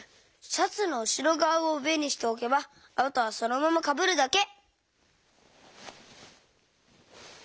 シャツのうしろがわをうえにしておけばあとはそのままかぶるだけ。